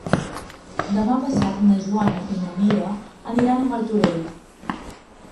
Demà passat na Joana i na Mira aniran a Martorell.